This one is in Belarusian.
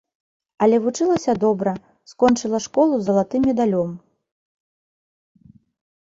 Але вучылася добра, скончыла школу з залатым медалём.